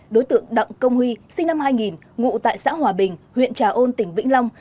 đối tượng đặng công huy sinh năm hai nghìn ngụ tại xã hòa bình huyện trà ôn tỉnh vĩnh long